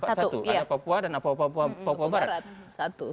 ada papua dan papua barat